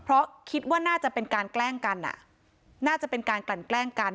เพราะคิดว่าน่าจะเป็นการแกล้งกันอ่ะน่าจะเป็นการกลั่นแกล้งกัน